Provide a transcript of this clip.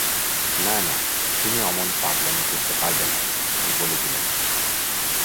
না না, তুমি অমন পাগলামি করতে পারবে না, আমি বলে দিলেম।